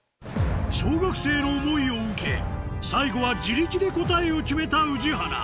小学生の思いを受け最後は自力で答えを決めた宇治原